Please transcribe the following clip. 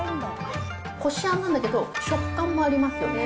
こしあんなんだけど、食感もありますよね。